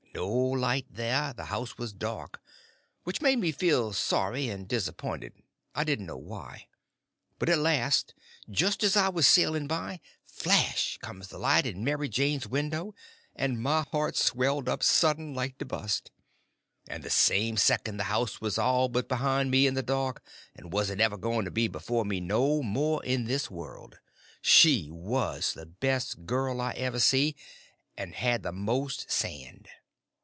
No light there; the house all dark—which made me feel sorry and disappointed, I didn't know why. But at last, just as I was sailing by, flash comes the light in Mary Jane's window! and my heart swelled up sudden, like to bust; and the same second the house and all was behind me in the dark, and wasn't ever going to be before me no more in this world. She was the best girl I ever see, and had the most sand.